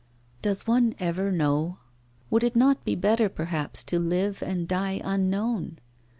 'Does one ever know? Would it not be better, perhaps, to live and die unknown?